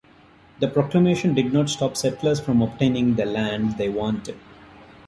The proclamation did not stop settlers from obtaining the land they wanted.